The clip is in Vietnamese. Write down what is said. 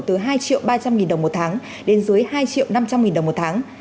từ hai triệu ba trăm linh nghìn đồng một tháng đến dưới hai triệu năm trăm linh nghìn đồng một tháng